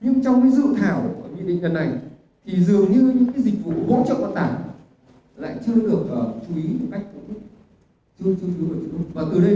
nhưng trong dự thảo dịch vụ hỗ trợ vận tải lại chưa được chú ý